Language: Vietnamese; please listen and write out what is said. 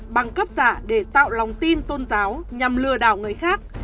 bằng cấp giả để tạo lòng tin tôn giáo nhằm lừa đảo người khác